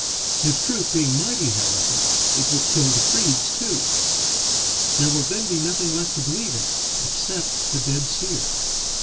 His truth being mighty, however, it will kill the creeds too. There will then be nothing left to believe in except the dead seer.